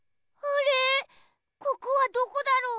ここはどこだろう？